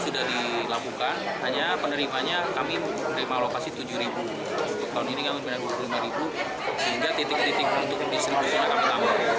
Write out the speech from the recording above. untuk mengembangkan proses penyaluran kepada masyarakat